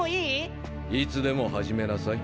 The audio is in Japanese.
いつでも始めなさい。